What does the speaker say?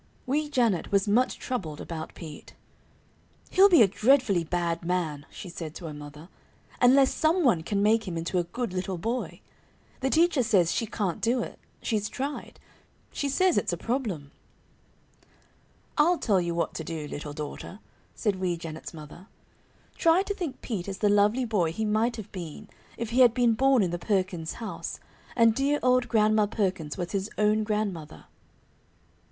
Wee Janet was much troubled about Pete. "He'll be a dreadfully bad man," she said to her mother, "unless someone can make him into a good little boy. The teacher says she can't do it she's tried. She says it's a problem." "I'll tell you what to do, little daughter," said Wee Janet's mother. "Try to think Pete is the lovely boy he might have been if he had been born in the Perkins' house, and dear old Grandma Perkins was his own grandmother."